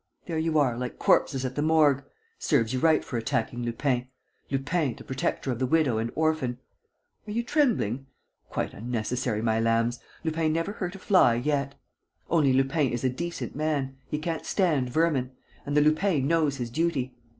There you are, like corpses at the Morgue. ... Serves you right for attacking Lupin, Lupin the protector of the widow and orphan! ... Are you trembling? Quite unnecessary, my lambs! Lupin never hurt a fly yet! ... Only, Lupin is a decent man, he can't stand vermin; and the Lupin knows his duty.